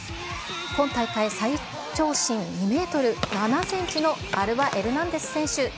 今大会最長身、２メートル７センチのアルバ・エルナンデス選手。